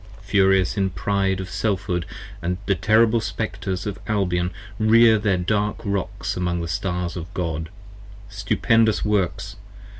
Furious in pride of Selfhood the terrible Spectres of Albion Rear their dark Rocks among the Stars of God: stupendous 50 Works!